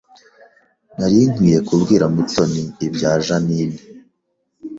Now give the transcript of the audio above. Nari nkwiye kubwira Mutoni ibya Jeaninne